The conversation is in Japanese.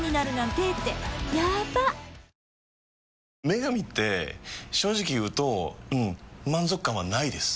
「麺神」って正直言うとうん満足感はないです。